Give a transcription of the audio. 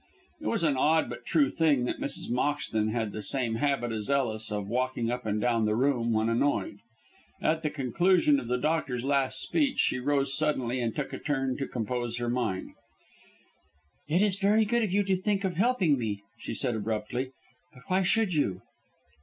It was an odd but true thing that Mrs. Moxton had the same habit as Ellis of walking up and down the room when annoyed. At the conclusion of the doctor's last speech she rose suddenly and took a turn to compose her mind. "It is very good of you to think of helping me," she said abruptly, "but why should you?"